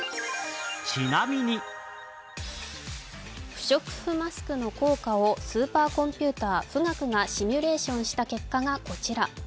不織布マスクの効果をスーパーコンピューター富岳がシミュレーションした結果がこちら。